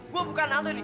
gue bukan nanti nih